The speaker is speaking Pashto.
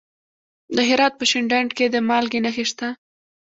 د هرات په شینډنډ کې د مالګې نښې شته.